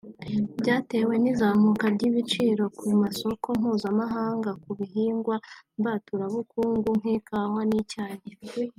byatewe n'izamuka ry'ibiciro ku masoko mpuzamahanga ku bihingwa mbaturabukungu nk'ikawa n'icyayi